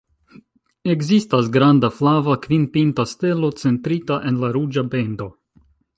Ekzistas granda flava, kvin-pinta stelo centrita en la ruĝa bendo.